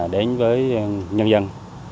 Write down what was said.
đến với nhân dân